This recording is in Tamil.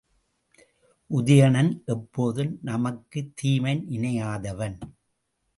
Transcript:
உதயணன் எப்போதும் நமக்குத் தீமை நினையாதவன்.